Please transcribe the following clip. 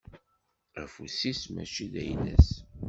Afus-is mačči d ayla-s.